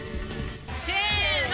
せの！